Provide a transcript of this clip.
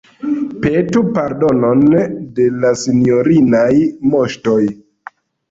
Petu pardonon de la sinjorinaj Moŝtoj.